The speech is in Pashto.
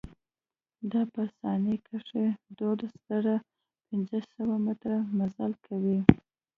دا په ثانيه کښې دولز زره پنځه سوه مټره مزل کوي.